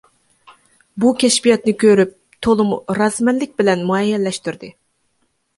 بۇ كەشپىياتنى كۆرۈپ تولىمۇ رازىمەنلىك بىلەن مۇئەييەنلەشتۈردى.